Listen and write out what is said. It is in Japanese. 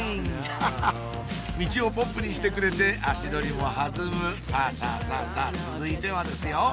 ハハっミチをポップにしてくれて足取りも弾むさぁさぁさぁさぁ続いてはですよ